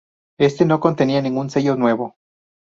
Este no contenía ningún sencillo nuevo.